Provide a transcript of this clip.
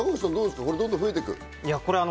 どんどん増えてく？